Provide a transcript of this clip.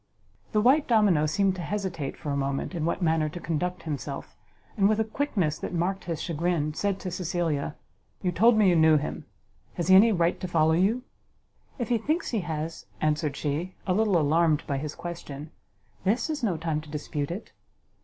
The white domino seemed to hesitate for a moment in what manner to conduct himself, and with a quickness that marked his chagrin, said to Cecilia, "You told me you knew him, has he any right to follow you?" "If he thinks he has," answered she, a little alarmed by his question, "this is no time to dispute it."